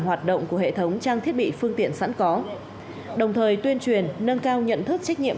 hoạt động của hệ thống trang thiết bị phương tiện sẵn có đồng thời tuyên truyền nâng cao nhận thức trách nhiệm